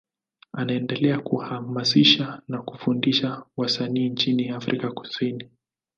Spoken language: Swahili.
Anaendelea kuhamasisha na kufundisha wasanii nchini Afrika Kusini.